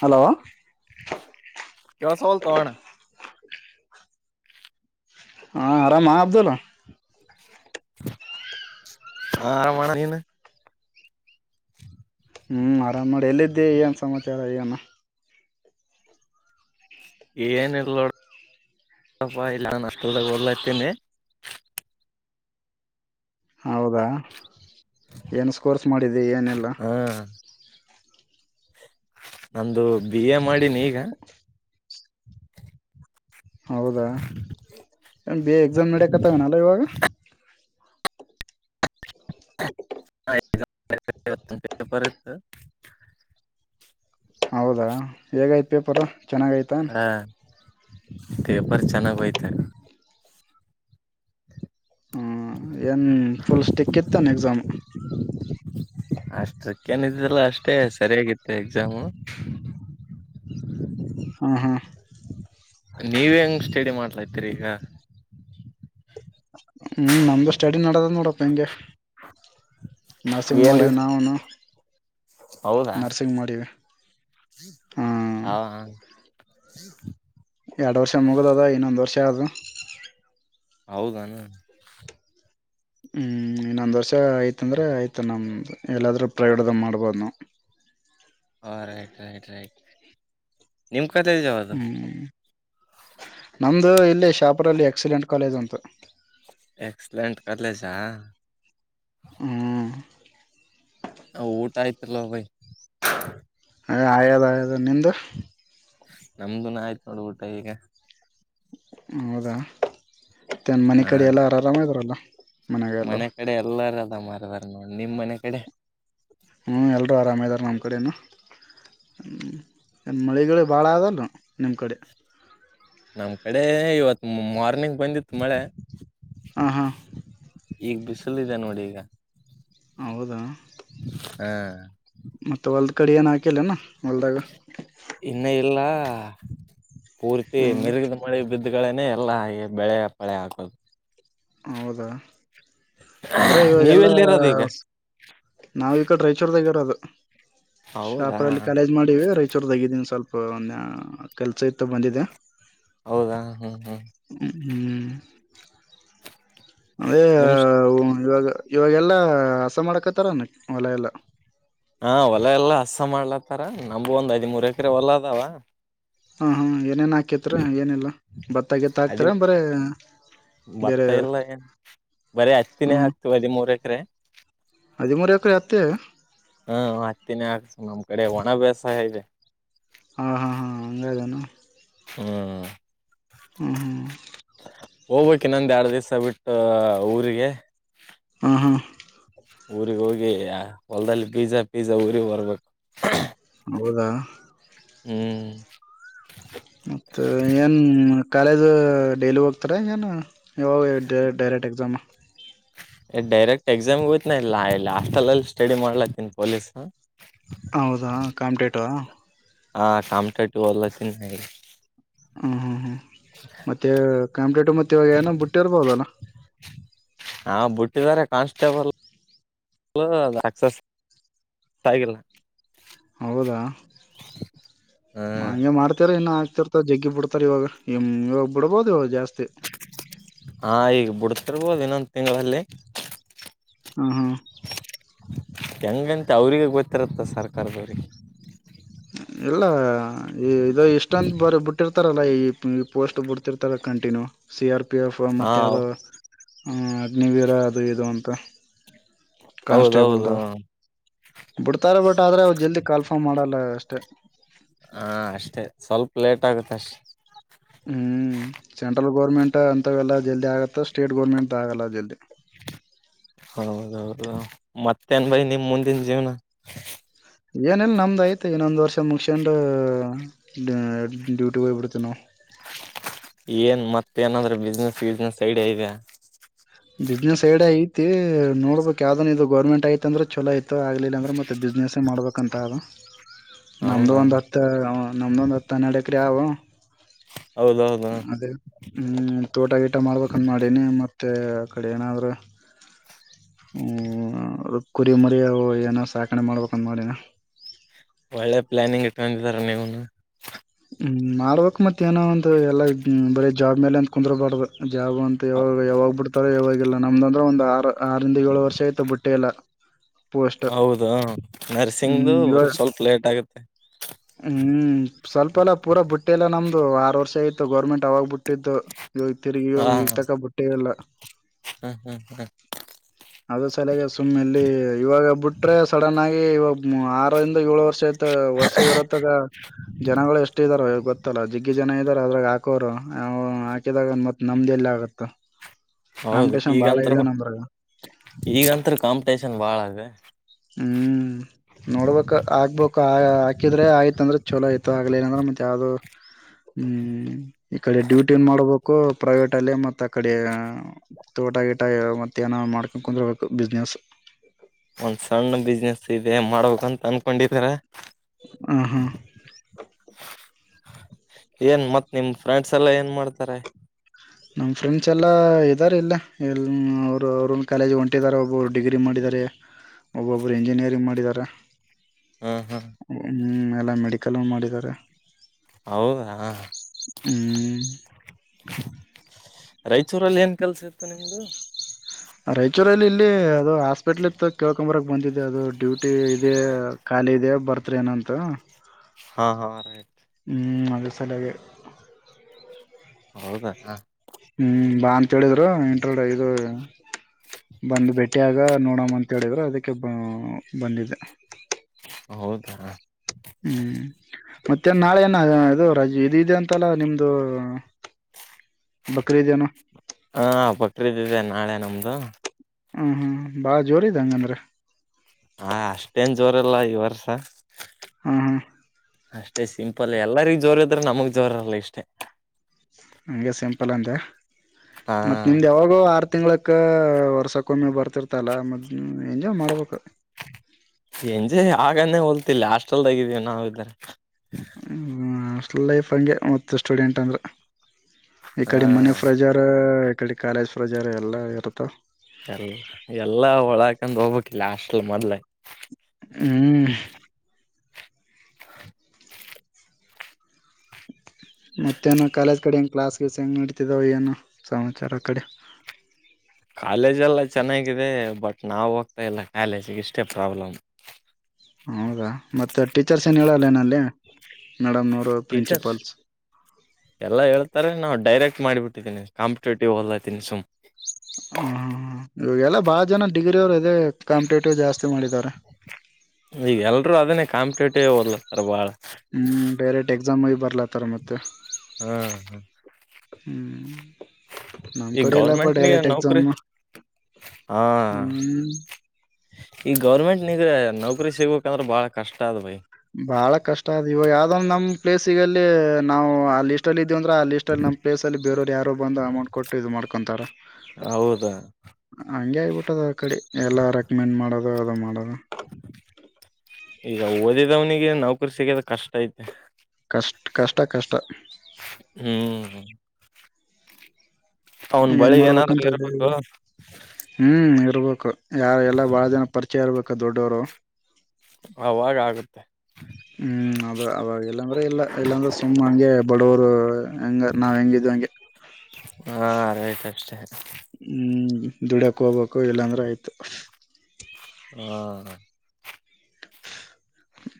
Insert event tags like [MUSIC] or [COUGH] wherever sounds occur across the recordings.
Hello ಕೇಳಸ ವಾತೊ ಅಣ್ಣ. ಹಾ ಆರಾಮ ಅಬ್ದುಲ್. ಹ ಆರಾಮ್ ಅಣ್ಣ ನೀನ. [INAUDIBLE] ಹ್ಮ್ ಆರಾಮ್ ನೋಡ ಎಲ್ಲಿದ್ದೇ ಏನ್ ಸಮಾಚಾರ ಏನ. ಏನಿಲ್ಲ ನೋಡ. ಪ ಇಲ್ಲ ನ ಹಾಸ್ಟೆಲ್ ದಾಗ್ ಓದ್ಲಾತಿನಿ. ಹೌದಾ ಏನ್ ಸ್ಕೋರ್ಸ್ ಮಾಡಿದ್ದಿ ಏನೆಲ್ಲ ಹಾ ನಂದು ಬಿ ಎ ಮಾಡಿನಿ ಈಗ ಹೌದಾ ಬಿ ಎ ಎಕ್ಸಾಮ್ ನಡಕತ್ತಾವನಲ್ಲ ಇವಾಗ ಹಪ ಹೌದಾ ಹೇಗಾಯ್ತು ಪೇಪರ ಚೆನ್ನಾಗಾಯಯ್ತಾ ತ ಎಪಾರ ಚಾನಾಗಿ ಯತ ಹ್ಮ ಏನ್ ಫುಲ್ ಸ್ಟಿಕ್ ಇತ್ತನ್ ಎಕ್ಸಾಮ್ ಅಷ್ಟಕ್ಕನಿದ್ದಲ್ಲ ಅಷ್ಟೇ ಸರಿಯಾಗಿತ್ತು ಎಕ್ಸಾಮು ಹಾಂ ಹಾಂ ನೀವ ಹೆಂಗ ಸ್ಟಡಿ ಮಾಡ್ಲಾತಿೀರಿ ಈಗ ಹ್ಮ್ ನಮ್ದು ಸ್ಟಡಿ ನಡದದ್ ನೋಡಪ್ಪ ಹಿಂಗೆ ನರಸಿಂಗ ಏನು ಮಾಡಾರಿಣ ಹೌದಾ ಹಾಂ ಹ ಹ ಎರಡು ವರ್ಷ ಮುಗುದ್ ಅದ ಇನ್ನೊಂದು ವರ್ಷ ಅದು ಹೌದಾನ ಹ್ಮ್ ಇನ್ನೊಂದ್ ವರ್ಷ ಆಯತಂದ್ರೆ ಆಯ್ತ ನಮ ಎಲ್ಲಾದ್ರೂ ಪ್ರವೇಡ್್ದ ಮಾಡ್ಬೋದು ನವು ಹಾ ರೈಟ್ ರೈಟ್ ರೈಟ್ ನಿಮ್ ಕತೆ ಇದಾವದು ನಂದು ಇಲ್ಲಿ ಶಾಪುರಲ್ಲಿ ಎಕ್ಸಿಲೆಂಟ್ ಕಾಲೇಜ್ ಅಂತು ಎಕ್ಸಲೆಂಟ್ ಕಲಜ ಹಾ ಹ್ಮ್ ಹ ಊಟ ಆಯ್ತಿಲ್ ಭಯ ಹಾ ಆಯೋದ ಆಯದ ನಿಂದು ನಮ್ದುನ ಆಯ್ತ್ು ನೋಡ್ಬಊಟ ಈಗ ಹೌದಾ ಮ ತನ್ನ ಮನೆ ಹಾ ಕಡೆ ಎಲ್ಲ ಆರರಾಮ್ರಲ್ಲ ಮನೆ ಕಡೆ ಎಲ್ಲಾರಲ್ಲ ಮಾರದಾರ ನಾ ನಿಮ್ ಮನೆ ಕಡೆ ಹ್ಮಞ ಎಲ್ರುೂ ಆರಾಮ ಇದಾರ ನಮ್ಮ್ ಕಡನು ಹ ಮಳೆಗಳು ಭಾಳ ಅದಲ್ಲ ನಿಮ್ಮ ಕಡೆ ನಮ್ಮ್ ಕಡೆ ಇವತ್ತು ಮಾರ್ನಿಂಗ್ ಬಂದಿತ್ತು ಮಳೆ ಹ ಹಾ ಈಗ ಬಿಸಿಲ್ಿದೆ ನೋಡಿ ಈಗ ಹೌದ ಹಾ ಮತ್ತೆ ಒಲ್ದ ಕಡೆ ಏನಕಿಲ್ಲ ನ ಇನ್ನ ಇಲ್ಲ ಪೂರ್ತಿ ಹ್ಮ್ ಮೆರುಗದ ಮಳೆ ಬಿದ್ದ ಗಳೇನೆ ಎಲ್ಲ ಹಾಗೆ ಬೆಳೆ ಪಳೆ ಹಾಕೋದು ಹೌದ ಅಂದ್ರೆ ಇವಾಗೆಲ್ಲ ನೀವೆಲ್ಲಿರೋದು ಈಗ ನಾವವು ಈ ಕಡೆ ರಾಯಚೂರ್ದಾಗ ಅದು ಹೌದಾ ಶಾಪುರಲ್ಲಿ ಕಾಲೇಜ್ ಮಾಡಿವವಿ ರಾಯಚೂರ್ದಗಿದ್ದೀನಿ ಸ್ವಲ್ಪ ಒ ಕೆಲ್ಸ ಇತ್ತು ಬಂದಿದೆ ಹೌದಾ ಹ್ಮ್ ಹ್ಮ್ ಹ್ಮ್ ಅಂದೆ ನಿಮ್ ಇವಾಗ ಇವಾಗೆಲ್ಲಾ ಹಸ ಮಾಡಕತ್ತಾರನ ಹೊಲ ಎಲ್ಲ ಹಾ ಹೊಲೆ ಎಲ್ಲ ಹಸ ಮಾಡ್ಲತ್ತಾರ ನಮು ಒ್ ಐದ್ ಮೂೂರ್ ಎಕರೆ ಹೊಲ ಅದಾವ ಹ ಹಾ ಏನೇನ್ ಹಾಕತ್ ಏನಿಲ್ಲ ಭತ್ತ ಗತ್ತ ಅದಿ ಹಾಕ್ತರ ಬರ ಭತ್ತ ಇಲ್ಲ ಏನ್ ಬರೀ ಹತ್ತಿನೇ ಹಾಕ್ತಿವಿ ಹದಿಮೂರ್ ಎಕರೆ ಹದಿಮೂರು ಎಕರೆ ಆತ್ತೆ ಹ್ಮ ಹತ್ತೀಿನ ಹಾಕ್ಸ ನಮ್ ಕಡೆ ಒಣಭ್ಯಾಸಾಯ ಇದೆ ಹಾ ಹಾ ಹಾ ಅಂಗದಾನ ಹ್ಮ್ [INAUDIBLE] ವ ಕೆನ್ನ ದಡದ ಸ ಹಾ ಊರಿಗೆ ಹ್ಮ ಹಾ ಊರಿಗೆ ಹೋಗಿ ಹೊಲ್ದಲ್ಲಿ ಪೀಜಾ ಪಿಜ್ಜಾ ಊರಿಗೆ ಬರ್ಬೇಕು ಹೌದಾ ಹ್ಮ್ ಮತ್ತ ಏನ್ ಕಾಲೇಜ್ ಡೈಲಿ ಹೋಗ್ತಾರ ಏನ್ ಯವ ಡೈರೆಕ್ಟ್ ಎಕ್ಸಾಮ ಡೈರೆಕ್ಟ್ ಎಕ್ಸಾಮ್ಗೆ ಹೋಯ್ನ ಇಲ್ಲಾ ಲಾಸ್ಟ್ ಅಲ್ಲಲ್ಲಿ ಸ್ಟಡಿ ಮಾಡ್ಲಾತ್ತನ್ ಪೊಲೀಸ್ ಹೌದಾ ಕಾಮಟೇಟೋ ಹಾ ಕಾಮಟಟಿ ಒಲ್ಲ ತಿ ಹ್ಮ್ ಹ್ಮ್ ಹ್ಮ್ ಮತ್ತೆ ಕಂಲೇಟು ಮತ್ತೆ ಇವಾಗ ಏನೋ ಬುಟ್ಟಿ ಇರ್ಬಹದಲ್ಲ ಹಾ ಬಿಟ್ಟಿದಿದ್ದಾರೆ ಕಾನ್ಸ್ಟೇಬಲ್ ಅಲ ಅಸಸ್ ಸಾಗಿಲ್ಲ ಹೌದಾ [INAUDIBLE] ಹ್ಮ್ ಹಗೆ ಮಾಡ್ತೀರ ಇನ್ನು ಇರ್ತ ಜಗ್ಗಿ ಬಿಡ್ತಾರೆ ಇವಾಗ ಇವಾಗ ಬಿಡ್ಬೋದು ಜಾಸ್ತಿ ಹಾ ಈಗ ಬಿಡ್ತಿರ್ಬೋದು ಇನ್ನೊಂದು ತಿಂಗಳಲ್ಲಿ ಹಾ ಹಾ ಹೆಂಗಂತ ಅವ್ರರಿಗೆ ಗೊತ್ತಿರತ್ತ ಸರ್ಕಾರದವ್ರಿಗೆ ಹ್ಮ ಇಲ್ಲ ಇದು ಇಷ್ಟಂತ ಬರ ಬಿಟ್ಟಿರ್ತಾರಲ್ಲ ಈ ಈ ಪೋಸ್ಟ್ ಬಿಡ್ತಿರ್ತಾರ continue C R P F ಹಾ ಮತ್ತು ಯಾವುದೋ ಅಗ್ನಿವೀರ ಅದು ಇದು ಅಂತ ಹೌದೌದು ಕಾನ್ಸ್ಟೇಬಲ್ದು ಹ ಬಿಡ್ತಾರೆ ಬಿಟ್ಟ ಆದ್ರೆ ಅವ ಜಲ್ದಿ ಕಾಲ್ಫಾರ್ ಮಾಡಲ್ಲ ಅಷ್ಟೇ ಹಾ ಅಷ್ಟೇ ಸ್ವಲ್ಪ ಲೇಟ್ ಆಗುತ್ತೆ ಅಷ್ಟೆ ಹ್ಮ್ ಸೆಂಟ್ರಲ್ ಗೋರ್ಮೆಂಟ್ ಅಂತವೆಲ್ಲ ಜಲ್ದಿ ಆಗತ್ತೆ ಸ್ಟೇಟ್ ಗೋರ್ಮೆಂಟ್ ಆಗಲ್ಲ ಜಲ್ದಿ ಹೌದೌದು ಮತ್ತೇನ್ ಬರಿ ನಿಮ್ ಮುಂದಿನ ಜೀವನ ಏನಲ್ ನಮ್ದ್ ಯ್ತ ಇನ್ನೊಂದ್ ವರ್ಷ ಮುಗಸೊಂಡ ಡ್ಯೂಟಿ ಹೋಗಯ್ಬಿಡ್ತೇವಿ ನಾವವು ಏನಾದ್ರೆ ಬಿಸ್ನೆಸ್ ವಿಸ್ನೆಸ್ ಸೈಡ ಇದೆ ಬಿಸ್ನೆಸ್ ಐಡ ಐತಿ ನೋಡ್ಬೇಕಕ್ ಯಾವ್ದನ್ ಇದು ಗೌರ್ಮೆಂಟ್ ಐತ ಅಂದ್ರೆ ಚಲೋ ಐ ಇ ಆಗಲಿಲ್ಲಂದೆ ಮತ್ತೆ ಬಿಸ್ನೆಸೇ ಮಾಡ್ಬೇಕಂತ ಅದು ನಮ್ದು ಹೌದಾ ಒಂದ್ ಹತ್ತು ನಮ್ದು ಒಂದ್ ಹತ್ತು ಹನ್ನೆಡು ಎಕ್ರ ಯವು ಹೌದೌದು ಅದೇ ಹ್ಮ್ ತೋಟಗೀಟ ಮಾಡ್ಬೇಕಂದ ಮಾಡನಿ ಮತ್ತ ತ್ತ ಕಡೆನ ಅರು ಹ ಕುರಿ ಮರಿ ಏನೋ ಸಾಕಣೆ ಮಾಡ್ಬೇಕಂದ ಮಾಡಿನ ಒಳ್ಳೆ ಪ್ಲಾನಿಂಗ್ ಇಟ್ಕೊಂಡಿದಾರ ನೀವನು ಹ್ಮ ಮಾಡ್ಬೇಕಕ್ ಮತ್ತ್ ಏನೋ ಅಂತ ಎಲ್ಲಾ ಬರೀ ಜಾಬ್ ಮೇಲೆ ಅಂತ ಕುಂದ್ರಬಾರ್ದ ಜಾಬ್ ಅಂತ ಯಾವಾಗ ಯಾವಾಗ್ ಬಿಡ್ತಾರೆ ಯಾವಾಗ ಲ್ಲ ನಮ್ದಂದ್ರೆ ಒಂದ್ ಆರ ಆರಿಂದ ಏಳು ವರ್ಷ ಆಯ್ತು ಬಟ್ಟೆ ಎಲ್ಲ ಹೌದ ನರ್ಸಿಂಗ್ದು ಹ್ಮ್ ಇವಾಗ ಸ್ವಲ್ಪ ಲೇಟ್ ಆಗುತ್ತೆ ಹ್ಮ್ ಸ್ವಲ್ಪ ಎಲ್ಲ ಪೂರಾ ಬುಟ್ಟೆಲ್ಲ ನಮ್ದು ಆರು ವರ್ಷ ಆಗಿತ್ತು ಗೌರ್ಮೆಂಟ್ ಅವಾಗ ಬುಟ್ಟಿದ್ದು ಇವ ತಿರಿಗೆಗ ಹಾ ಈಗ ತಕ ಬಟ್ಟೆ ಎಲ್ಲ ಹ್ಮ್ ಹ್ಮ್ ಹ್ಮ್ ಅದ ಸಲಯಾಗ ಸುಮ್ಮನೆ ಇಲ್ಲಿ ಇವಾಗ ಬಿಟ್ರೆ ಸಡನ್ ಆಗಿ ಇ ಆರಂದ ಏಳ ವರ್ಷ ಆಯ್ತ ವರ್ಷ ಇರತ್ತಾಗ ಷ್ಟ ಇದ್ದಾರ ಗೊತ್ತಲ್ಲ ಜಿಗ್ಗಿ ಜನ ಇದಾರ ಅದ್ರಾಗ ಹಾಕೋರು ಹಾಕಿದಾಗ ಮತ್ತತ್ ನಮ್ದ ಎಲ್ಲಿ ಆಗತ್ತ ಹೌದು ಕಾಂಪಿಟೇಷನ್ ಬಾಳ ಈಗತ್ ಇದೆ ನಮ್ರಾಗ ಈಗಂತ ಕಾಂಪಿಟೇಷನ್ ಬಾಳ ಅದ ಹ್ಮ್ ಹ್ಮ ನೋಡ್ಬೇಕ ಆಕ್ಬೇಕು ಆ ಹಾಕಿದ್ರೆ ಆಯ್ತ ಅಂದ್ರೆ ಚಲೋ ಆಯ್ತು ಆಗ್ಲ ಏನಂದ್ರೆ ಮತ್ತತ್ ಯಾವ್ದು ಹ್ಮ್ ಈ ಕಡೆ ಡ್ಯೂಟಿನ್ ಮಾಡ್ಬೇಕು ಪ್ರೈವೇಟ್ ಅಲ್ಲಿ ಮತ್ತ ಅ ಕಡೆ ಕೋಟ ಗಿಟ ಮತ್ತೆ ಏನೋ ಮಾಡ್ಕೊಂಡು ಕುಂದರ್ಬೇಕು ಬಿಸ್ನೆಸ್ ಒಂದ್ ಸಣ್ಣ ಬಿಸ್ನೆಸ್ ಇದೆ ಮಾಡ್ಬೇಕ ಅಂತ ಅನ್ಕೊಂಡಿದರ ಹ ಹಾ ಏನ್ ಮತ್ತ್ ನಿಮ್ ಫ್ರೆಂಡ್ಸ್ ಎಲ್ಲ ಏನ್ ಮಾಡ್ತಾರೆ ನಮ್ ಫ್ರೆಂಡ್ಸ್ ಎಲ್ಲಾ ಇದ್ದಾರೆ ಇಲ್ಲ ಅವ್ರು ಅವ್ರನ್ನ ಕಾಲೇಜ್ ಹೊಂಟಿದಿದ್ದಾರೆ ಒಬ್ಬರು ಡಿಗ್ರಿ ಮಾಡಿದ್ದಾರೆ ಒಬ್ಬೊಬ್ರು ಇಂಜಿನಿಯರಿಂಗ್ ಮಾಡಿದ್ದಾರೆ. ಹ್ಮ್ ಹ್ಮ್ ಹ್ಮ್ ಎಲ್ಲ ಮೆಡಿಕಲ್ ಮಾಡಿದಿದ್ದಾರೆ. ಹೌದಾ ರಾಯಚೂರಲ್ಲಿ ಏನ್ ಕೆಲಸ ಇತ್ತು ನಿಮ್ದು ರಾಯಚೂರಲ್ಲಿ ಇಲ್ಲಿ ಅದು ಹಾಸ್ಪಿಟ್ಲ್ ಇತ್ತು ಕೇಳ್ಕೊಂಬರ ಬಂದಿದೆ ಅದು ಡ್ಯೂಟಿ ಇದೆ. ಅಲ್ಲ ಇದ ಬರ್ತ್ಡ ನಂತ ಹಾ ಹಾ ರೈಟ್ ಹ ಅದ ಸಾಲೆಗೆ ಹೌದಾ ಹ್ಮ್ ಬಾ ಅಂತ ಹೇಳಿದ್ರು ಇಂಟ್ರ ಐದು ಬಂದು ಭೇಟಿಯಾಗ ನೋಡಮ್ಮ ಅಂತ ಹೇಳಿದ್ರು ಅದಕ್ಕೆ ಬ ಬಂದಿದೆ ಹೌದಾ ಹ್ಮ್ ಮತ್ತೆ ನಾಳೆ ಏನ ಅದು ರು ಇದದೆ ಅಂತಲ್ಲ ನಿಮ್ದು ಬಕ್ರೀ ಇದೇನು ಹಾ ಬಕ್ರೀದ್ ಇದೆ ನಾಳೆ ನಮ್ದು ಹ್ಮ್ ಹ್ಮ್ ಬಾಳ ಜೋರ ಇದ ಹಂಗಂದ್ರ ಹಾ ಅಷ್ಟೇನ್ ಜೋರಲ್ಲ ಈ ವರ್ಷ ಹಾ ಹಾ ಅಷ್ಟೇ ಸಿಂಪಲ್ ಎಲ್ಲರಿಗ ಜೋರ ಇದ್ರೆ ನಮಗ್ ಜೋರಲ್ಲ ಇಷ್ಟೇ. ಹಂಗೆ ಸಿಂಪಲ್ ಅಂದ ಹಾ ಮತ್ತ್ ನಿಮ್ದ ಯಾವಾಗೋ ಆರ್ತ ಆರ್ ತಿಂಗ್ಗಳಕ್ಕ ವರ್ಷಕ್ಕೊಮ್ಮಿ ಬರ್ತಿರ್ತಲ್ಲ ಮ ಎಂಜಯ ಆಗಾನೇ ಹೊಲ್ತಿಲ್ಲಿ ಹಾಸ್ಟಲ್ದಾಗಿದೀವಿ ನಾವ ಇದ್ದಾರೆ ಹ ಹಾಸ್ಟೆಲ್ ಲೈಫ್ ಹಂಗೆ ಮತ್ತ ಸ್ಟೂಡೆಂಟ್ ಅಂದ್ರೆ ಈ ಹಾ ಕಡೆ ಮನೆ ಫ್ರೆಜಾರ್ ಈ ಕಡೆ ಕಾಲೇಜ್ ಫ್ರೆಜಾರ್ ಎಲ್ಲ ಇರುತ್ತ. ಎಲ್ಲ ಎಲ್ಲಾ ಹೊಳಾಕಂತ್ ಹೋಗ್ಬೇಕಲ್ಲ ಹಾಸ್ಟೆಲ್ ಮೊದ್ಲ ಹ್ಮ್ ಮತ್ತೇನು ಕಾಲೇಜ್ ಕಡೆ ಹೆಂಗೆ ಕ್ಲಾಸ್ ಗಿಸ್ ಹೆಂಗೆ ನಡ್ತಿದ್ದವು ಏನು ಸಮಾಚಾರ ಕಡೆ ಕಾಲೇಜ ಎಲ್ಲ ಚೆನ್ನಾಗಿದೆ ಬಟ್ ನಾವ ಹೋಗ್ತಾ ಇಲ್ಲ ಕಾಲೇಜ್ ಇಷ್ಟೇ ಪ್ರಾಬ್ಲಮ್ ಹೌದಾ ಮತ್ತೆ ಟೀಚರ್ಸ್ ಏನ್ ಹೇಳಲ್ಲ ಏನಲ್ಲಿ ಟೀಚರ್ ಎಲ್ಲಾ ಹೇಳ್ತಾರೆ ನಾವು ಡೈರೆಕ್ಟ್ ಮಾಡಿಬಿಟ್ಟವಿ ಕಂಪಿಟೇಟಿವ್ ಓದಲ್ತೀನಿ ಸುಮ್ ಹ ಹ ಇವಾಗಲ್ಲಾ ಬಾಳ ಜನ ಡಿಗ್ರಿ ಅವರು ಇದೆ ಕಾಂಪಿಟೇಟಿವ್ ಜಾಸ್ತಿ ಮಾಡಿದ್ದಾರೆ ಈಗ ಎಲ್ರರು ಅದನೇ ಕಾಂಪಿಟೇಟಿವ ಒದಲತ್ತಾರ್ ಬಾಳ ಹ್ಮ್ ಡೈರೆಕ್ಟ್ ಎಕ್ಸಾಮ ಬರ್ಲತ್ತಾರ ಮತ್ತ ಹಾ ಹ್ಮ್ ನಮ್ ಈಗ ಕಡೆ ಎಲ್ಲಪ್ಪ ಗೌರ್ಮೆಂಟ್ ನೀ ಡೈರೆಕ್ಟ್ ನೌಕರಿ ಎಕ್ಸಾಮ್ ಹಾ ಹ್ಮ್ ಈಗ ಗೌರ್ಮೆಂಟ್ ನಿಗ ನೌಕರಿ ಸಿಗ್ಬೇಕ ಅಂದ್ರೆ ಬಹಳ ಕಷ್ಟ ಅದ್ ಭೈ ಬಾಳ ಕಷ್ಟ ಅದ್ ಇವಾಗ ಯಾವ್ದ ಒಂದು್ ನಮ್ ಪ್ಲೇಸ್ ಈಗಲ್ಲಿ ನಾವು ಆ ಲಿಸ್ಟ್ ಅಲ್ಲಿ ಇ ಅಂದ್ರ ಆ ಲಿಸ್ಟ್ ಅಲ್ಲಿ ನಮ್ಮ್ ಪ್ಲೇಸ್ಲ್ಲಿ ಬೇರವರು ಯಾರು ಬಂದು ಅಮೌಂಟ್ ಕೊಟ್ಟು ಇದ ಮಾಡ್ಕೊಂತಾರ ಹೌದ ಹಂಗೆ ಆಗ್ಬಿಟ್ಟದ ಆ ಕಡೆ ಎಲ್ಲಾ ರೆಕಮೆಂಡ್ ಮಾಡೋದು ಅದು ಮಾಡೋದು ಈಗ ಓದಿದವನಿಗೆ ನೌಕರಿ ಸಿಗದ ಕಷ್ಟ ಐತಿ ಕಷ್ಟ ಕಷ್ಟ ಹ್ಮ್ ಅವನ್ ಏನ್ ಬಳಿ ಏನಾದ್ರು ಮಾಡ್ಬೇಕಂತ ಅದೇ ಇರ್ಬೇಕು ಹೇಳು ಹು ತಗೋಬೇಕು ಯಾರ ಎಲ್ಲ ಬಹಳ ದಿನ ಪರಿಚಯ ಇರ್ಬೇಕ ದೊಡ್ಡವರು. [UNINTELLIGIBLE] ಅವಾಗ ಆಗುತ್ತೆ. [UNINTELLIGIBLE] ಹು ಅದು ಅವಾಗ ಇಲ್ಲಾಂದ್ರೆ ಇಲ್ಲ ಇಲ್ಲಾಂದ್ರೆ ಸುಮ್ಮ ಹಂಗೆ ಬಡವರು ಹೆಂಗ ನಾವ್ ಹೆಂಗಿದ್ [UNINTELLIGIBLE] ಹಂಗೆ? [UNINTELLIGIBLE] ಹಾ ಆರೇತಿ ಅಷ್ಟೇ? [UNINTELLIGIBLE] ದುಡಿಯಾಕ್ಕ ಹೋಗ್ಬೇಕು ಇಲ್ಲಾಂದ್ರೆ ಆಯ್ತು [UNINTELLIGIBLE] [UNINTELLIGIBLE]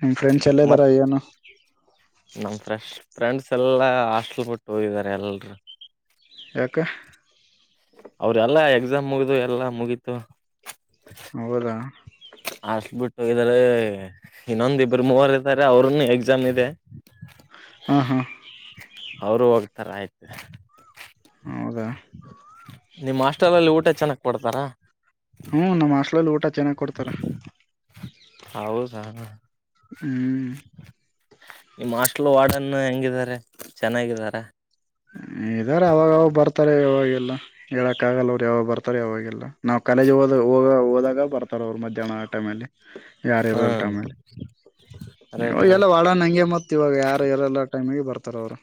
ನಿಮ್ಮ ಫ್ರೆಂಡ್ಸ್ ಎಲ್ಲೇ ಅದಾರ ಏನೂ? [UNINTELLIGIBLE] ನಮ್ಮ ಫ್ರೆಶ್ ಫ್ರೆಂಡ್ಸ್ ಎಲ್ಲಾ ಹಾಸ್ಟೆಲ್ ಬಿಟ್ಟು ಹೋಗಿದ್ದಾರೆ ಎಲ್ಲರೂ [UNINTELLIGIBLE] ಯಾಕ? [UNINTELLIGIBLE] ಅವರದ ಎಲ್ಲಾ ಎಕ್ಸಾಮ್ ಮುಗ್ದು ಎಲ್ಲಾ ಮುಗೀತು ಹೌದಾ ಹಾಸ್ಟೆಲ್ ಬಿಟ್ ಹೋಗಿದ [UNINTELLIGIBLE] ಇದರೇ ಇನ್ನೊಂದ ಇಬ್ರು ಮೂವರ್ ಇದ್ದಾರೆ ಅವ್ರನ್ನು ಎಕ್ಸಾಮ್ ಇದೆ. [UNINTELLIGIBLE] ಹ ಹ [UNINTELLIGIBLE] ತರ ಆಯ್ತ? [UNINTELLIGIBLE] ಹೌದ? [UNINTELLIGIBLE] ನಿಮ್ಮ ಹಾಸ್ಟೆಲ್ ಅಲ್ಲಿ ಊಟ ಚೆನ್ನಾಗ ಕೊಡ್ತಾರಾ? [UNINTELLIGIBLE] ಹೂ ನಮ್ಮ ಹಾಸ್ಟೆಲ್ ಅಲ್ಲಿ ಊಟ ಚೆನ್ನಾಗ ಕೊಡ್ತಾರೆ. [UNINTELLIGIBLE] ಹೌದಾ ನಿಮ್ [UNINTELLIGIBLE] ಹಾಸ್ಟೆಲ್ ವಾಡನ್ ಹೆಂಗಿದಿದ್ದಾರೆ ಚೆನ್ನಾಗಿದಾರ? [UNINTELLIGIBLE] ಇರ್ತಾರೆ ಅವಾಗೆಲ್ಲ ಹೇಳಕ್ ಆಗಲ್ಲ ಅವರ ಯಾವಾಗ ಬರ್ತ ಯಾವಾಗೆಲ್ಲ ನಾವು ಕಾಲೇಜ್ ಹದೋ ಹೋದಾಗ ಬರ್ತಾರೆ. [UNINTELLIGIBLE] ಅವರ ಮಧ್ಯಾಹ ಆ ಟೈಮ ಅಲ್ಲಿ? [UNINTELLIGIBLE] ಯಾರ ಹಾ ಇರರ ಟೈಮ ಅಲ್ಲಿ ರೈಟ್ ಇವಾಗಲ್ಲ ರೈಟ್ ವಾಡನ್ ಹಂಗೆ ಮತ್ ಇವಾಗ ಯಾರು ಇರಲ್ಲ? [UNINTELLIGIBLE] ಟೈಮಿಗೆ ಬರ್ತಾರ ಅವರ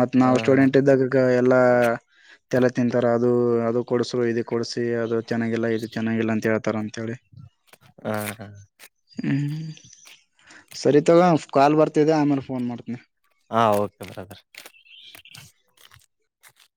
ಮತ್ತ ಹ ನಾವ ಸ್ಟೂಡೆಂಟ್ ಇದ್ದಾಗ ಗ [UNINTELLIGIBLE] ಎಲ್ಲಾ ತಲೆ ತಿಂತಾರ ಅದು ಅದು ಕೊಡುಸು ಇದು ಕೊಡಸಿ ಅದ [UNINTELLIGIBLE] ಚೆನ್ನಾಗಿಲ್ಲ ಇದು ಚೆನ್ನಾಗಿಲ್ಲ ಅಂತ ಹೇಳ್ತಾರ ಅಂತ ಹೇಳಿ? [UNINTELLIGIBLE] ಹ ಹಾ [UNINTELLIGIBLE] ಸರಿ ತೋಗೋ ಕಾಲ್ ಬರ್ತಿದೆ ಆಮೇಲೆ ಫೋನ್ ಮಾಡ್ತೀನಿ. [UNINTELLIGIBLE] ಹಾ ಓಕೆ ಬ್ರದರ್. [UNINTELLIGIBLE]